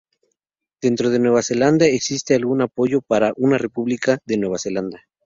Dentro de Nueva Zelanda existe algún apoyo para una República de Nueva Zelanda.